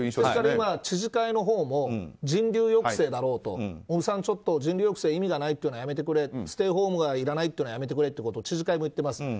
だから知事会のほうも人流抑制だろうと尾身さん、ちょっと人流抑制意味がないというのはやめてくれステイホームがいらないというのはやめてくれと知事会も言ってます。